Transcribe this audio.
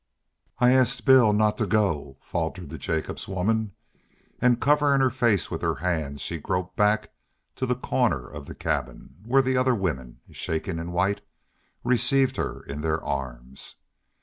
"I asked Bill not to go," faltered the Jacobs woman, and, covering her face with her hands, she groped back to the corner of the cabin, where the other women, shaking and white, received her in their arms.